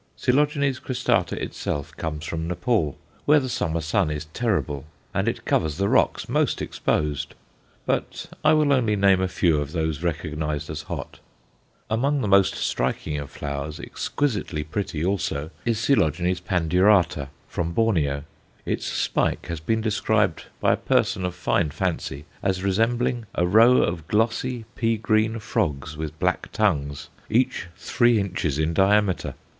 Coel. cristata itself comes from Nepaul, where the summer sun is terrible, and it covers the rocks most exposed. But I will only name a few of those recognized as hot. Amongst the most striking of flowers, exquisitely pretty also, is Coel. pandurata, from Borneo. Its spike has been described by a person of fine fancy as resembling a row of glossy pea green frogs with black tongues, each three inches in diameter.